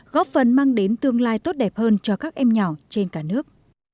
góp phần mang đến tương lai tốt đẹp hơn cho các em nhỏ trên cả nước